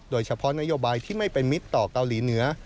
โดยเฉพาะนโยบายที่ไม่เป็นมิตรต่อเกาหลีเหนือ